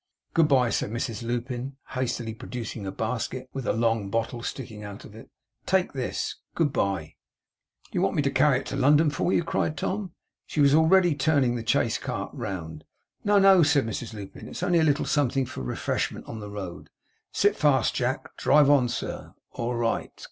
'Good bye!' said Mrs Lupin, hastily producing a basket with a long bottle sticking out of it. 'Take this. Good bye!' 'Do you want me to carry it to London for you?' cried Tom. She was already turning the chaise cart round. 'No, no,' said Mrs Lupin. 'It's only a little something for refreshment on the road. Sit fast, Jack. Drive on, sir. All right!